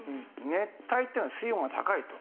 熱帯っていうのは水温が高いと。